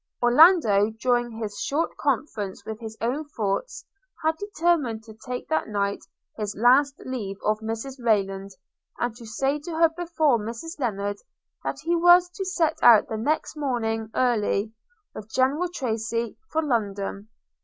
Orlando, during his short conference with his own thoughts, had determined to take that night his last leave of Mrs Rayland, and to say to her before Mrs Lennard, that he was to set out the next morning early, with General Tracy, for London.